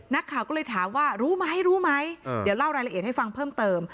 นักข่าวก็เลยถามว่ารู้ไหมรู้ไหมเดี๋ยวเล่ารายละเอียดให้ฟังเพิ่มเติม